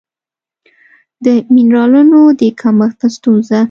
د مېنرالونو د کمښت ستونزه